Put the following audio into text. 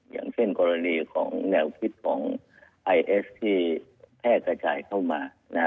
อย่างเช่นกรณีของแนวคิดของไอเอสที่แพร่กระจายเข้ามา